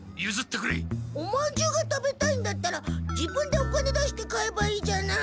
おまんじゅうが食べたいんだったら自分でお金出して買えばいいじゃない。